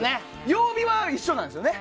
曜日は一緒なんですよね。